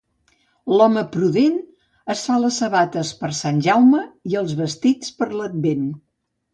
L'home prudent es fa les sabates per Sant Jaume i els vestits per l'Advent.